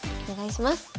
お願いします。